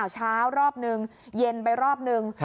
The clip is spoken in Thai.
เช้ารอบนึงเย็นไปรอบนึง